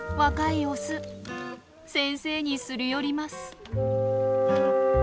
先生にすり寄ります。